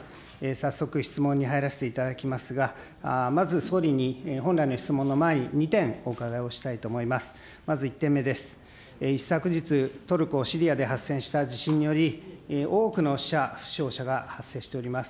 早速質問に入らせていただきますが、まず総理に、本来の質問の前に２点、お伺いをしたいと思います。